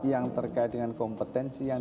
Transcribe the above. yang terkait dengan kompetensi yang